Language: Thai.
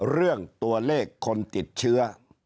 เรื่องตัวเลขคนติดเชื้อ